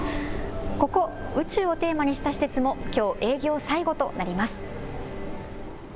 ここ、宇宙をテーマにした施設もきょう営業最後となります。